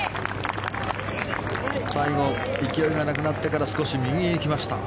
最後勢いがなくなってから少し右に行きました。